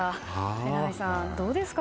榎並さん、どうですか